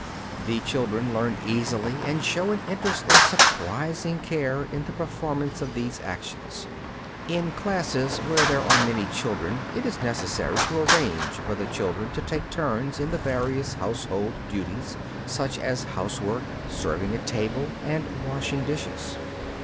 The children learn easily and show an interest and surprising care in the performance of these actions. In classes where there are many children it is necessary to arrange for the children to take turns in the various household duties, such as housework, serving at table, and washing dishes.